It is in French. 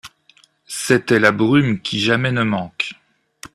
C'était la brume qui jamais ne manque.